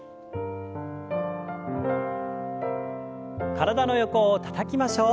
体の横をたたきましょう。